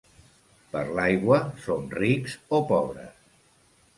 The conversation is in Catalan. Per l'aigua som rics o pobres.